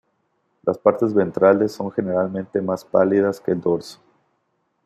Las partes ventrales son generalmente más pálidas que el dorso.